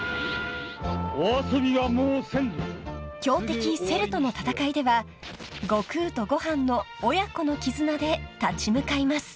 ［強敵セルとの戦いでは悟空と悟飯の親子の絆で立ち向かいます］